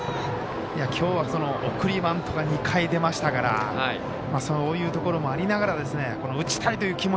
きょうは送りバントが２回出ましたからそういうところもありながら打ちたいという